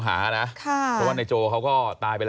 ที่มันก็มีเรื่องที่ดิน